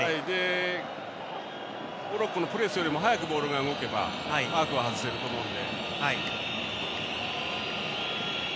モロッコのプレスよりも速くボールが動けばマークは外せると思うんで。